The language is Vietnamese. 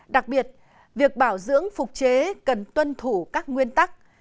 đặc biệt việc bảo dưỡng phục chế cần tuân thủ các nguyên tắc